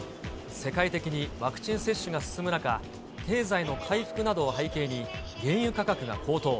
世界的にワクチン接種が進む中、経済の回復などを背景に、原油価格が高騰。